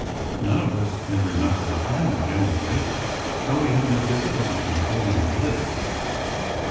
None of us can remember the damage, anyv/ay, though we have no difficulty in re calling the bliss.